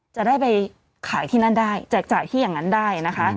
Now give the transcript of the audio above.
จะได้ไปขายที่นั่นได้แจกจ่ายที่อย่างนั้นได้นะคะ